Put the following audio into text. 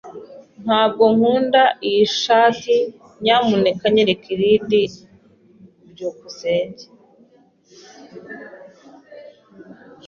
Ntabwo nkunda iyi shati. Nyamuneka nyereka irindi. byukusenge